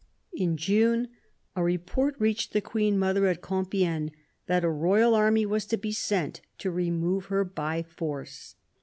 , In June a report reached the Queen mother at Com ifegne that a royal army was to be sent to remove her y force.